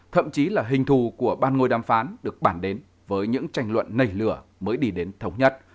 thậm chí là hình thù của bàn ngôi đàm phán được bản đến với những tranh luận nảy lửa mới đi đến thống nhất